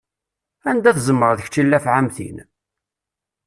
Anda tzemreḍ kečč i llafɛa am tin!